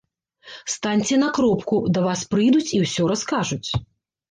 Станьце на кропку, да вас прыйдуць і ўсё раскажуць.